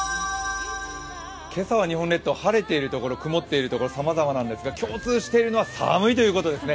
今朝は日本列島、晴れているところ、曇っているところ、さまざまなんですが共通しているのは寒いということですね。